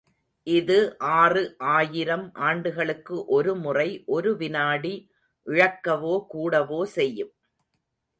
இது ஆறு ஆயிரம் ஆண்டுகளுக்கு ஒரு முறை ஒரு வினாடி இழக்கவோ கூடவோ செய்யும்.